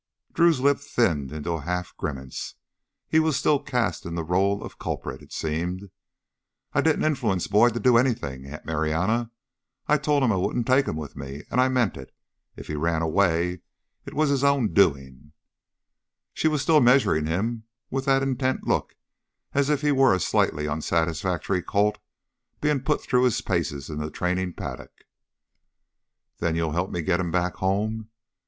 Drew's lips thinned into a half grimace. He was still cast in the role of culprit, it seemed. "I didn't influence Boyd to do anything, Aunt Marianna. I told him I wouldn't take him with me, and I meant it. If he ran away, it was his own doin'." She was still measuring him with that intent look as if he were a slightly unsatisfactory colt being put through his paces in the training paddock. "Then you'll help me get him back home?"